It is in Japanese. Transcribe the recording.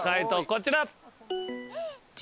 こちら。